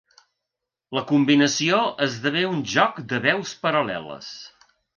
La combinació esdevé un joc de veus paral·leles.